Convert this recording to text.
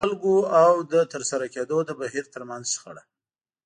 د خلکو او د ترسره کېدو د بهير ترمنځ شخړه.